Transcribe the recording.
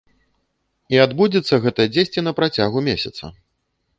І адбудзецца гэта дзесьці на працягу месяца.